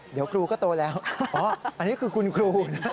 เดี๋ยวครูก็โตแล้วอ๋ออันนี้คือคุณครูนะ